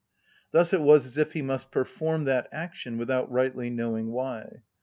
Thus it was as if he must perform that action without rightly knowing why.